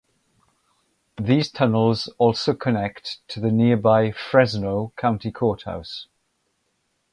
These tunnels also connect to the nearby Fresno County Courthouse.